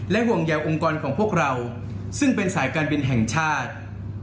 ห่วงใยองค์กรของพวกเราซึ่งเป็นสายการบินแห่งชาติ